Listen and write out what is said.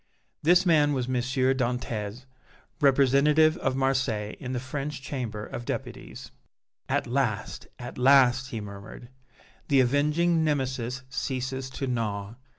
This man was M. Dantès, representative of Marseilles in the French Chamber of Deputies. "At last, at last," he murmured, "the avenging Nemesis ceases to gnaw!